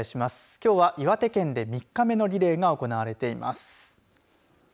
きょうは岩手県で３日目のリレーが行われています。